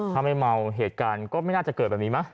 ถ้าไม่เมาเหตุการณ์ก็ไม่น่าจะเกิดแบบนี้มั้